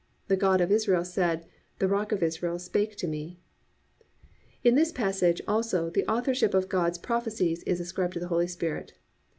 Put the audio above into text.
The God of Israel said, the Rock of Israel spake to me."+ In this passage, also, the authorship of God's prophecies is ascribed to the Holy Spirit.